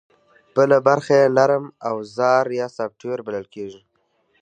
بله برخه یې نرم اوزار یا سافټویر بلل کېږي